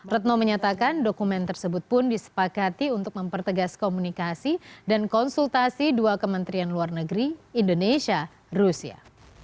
retno menyatakan dokumen tersebut pun disepakati untuk mempertegas komunikasi dan konsultasi dua kementerian luar negeri indonesia rusia